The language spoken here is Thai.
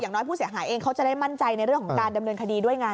น้อยผู้เสียหายเองเขาจะได้มั่นใจในเรื่องของการดำเนินคดีด้วยไง